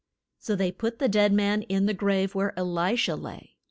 So they put the dead man in the grave where E li sha lay.